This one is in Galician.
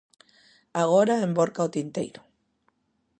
Agora envorca o tinteiro.